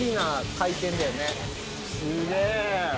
すげえ！